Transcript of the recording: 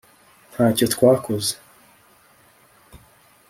ntacyo twakoze